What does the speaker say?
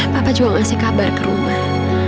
papa juga ngasih kabar ke rumah